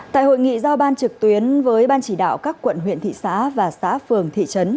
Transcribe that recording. tại hội nghị giao ban trực tuyến với ban chỉ đạo các quận huyện thị xã và xã phường thị trấn